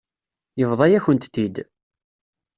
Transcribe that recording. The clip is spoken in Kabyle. Yebḍa-yakent-t-id.